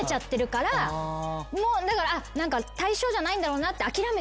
だから対象じゃないんだろうなって諦めちゃう。